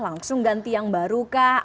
langsung ganti yang baru kah